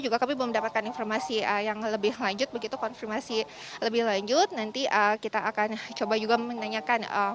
juga kami belum mendapatkan informasi yang lebih lanjut begitu konfirmasi lebih lanjut nanti kita akan coba juga menanyakan